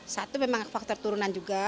satu memang faktor turunan juga